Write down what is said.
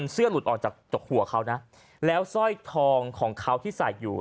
เสื้อหลุดออกจากจกหัวเขานะแล้วสร้อยทองของเขาที่ใส่อยู่